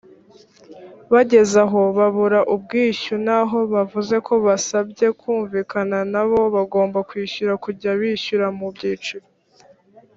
bageze aho babura ubwishyu naho bavuze ko basabye kumvikana n’abo bagomba kwishyura kujya bishyura mu byiciro